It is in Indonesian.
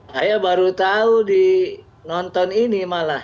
saya baru tahu di nonton ini malah